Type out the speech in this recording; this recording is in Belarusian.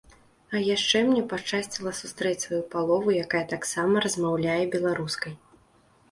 А яшчэ мне пашчасціла сустрэць сваю палову, якая таксама размаўляе беларускай.